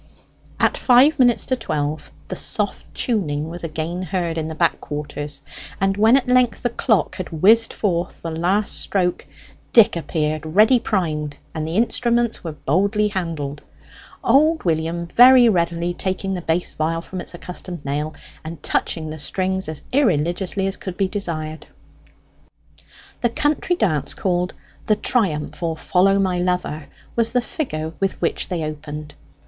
At five minutes to twelve the soft tuning was again heard in the back quarters; and when at length the clock had whizzed forth the last stroke, Dick appeared ready primed, and the instruments were boldly handled; old William very readily taking the bass viol from its accustomed nail, and touching the strings as irreligiously as could be desired. The country dance called the 'Triumph, or Follow my Lover,' was the figure with which they opened.